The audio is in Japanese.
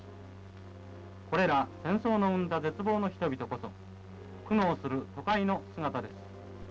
これら戦争の生んだ絶望の人々こそ苦悩する都会の姿です。